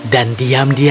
dan diam di situ